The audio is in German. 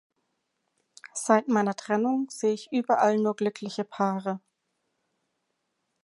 Seit meiner Trennung sehe ich überall nur glückliche Paare.